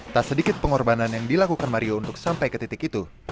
tak sedikit pengorbanan yang dilakukan mario untuk sampai ke titik itu